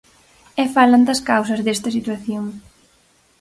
E falan das causas desta situación.